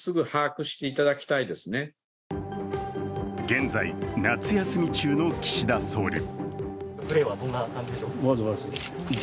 現在、夏休み中の岸田総理。